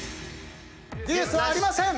デュースはありません。